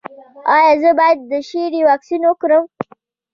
ایا زه باید د شري واکسین وکړم؟